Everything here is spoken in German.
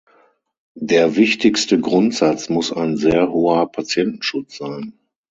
Der wichtigste Grundsatz muss ein sehr hoher Patientenschutz sein.